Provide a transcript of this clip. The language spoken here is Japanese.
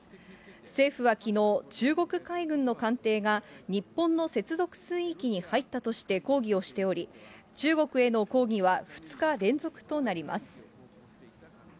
政府はきのう、中国海軍の艦艇が日本の接続水域に入ったとして抗議をしており、中国への抗議は２日連続となります。